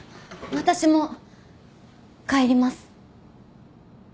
私も帰ります。